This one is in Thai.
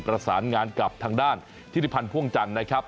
ประสานงานกับทางด้านธิริพันธ์พ่วงจันทร์นะครับ